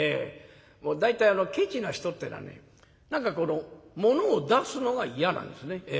大体ケチな人ってえのはね何かものを出すのが嫌なんですね。